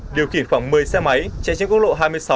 điều khiển khoảng một mươi xe máy chạy trên quốc lộ hai mươi sáu